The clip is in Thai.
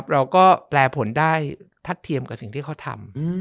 เราก็แปลผลได้ทัดเทียมกับสิ่งที่เขาทำ